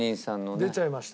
出ちゃいました？